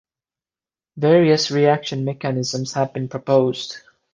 Various reaction mechanisms have been proposed.